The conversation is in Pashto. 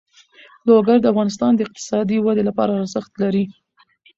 لوگر د افغانستان د اقتصادي ودې لپاره ارزښت لري.